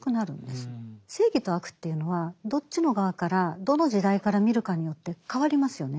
正義と悪というのはどっちの側からどの時代から見るかによって変わりますよね。